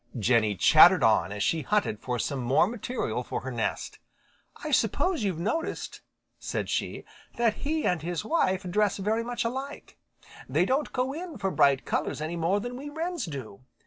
Jenny chattered on as she hunted for some more material for her nest. "I suppose you've noticed," said she, "that he and his wife dress very much alike. They don't go in for bright colors any more than we Wrens do.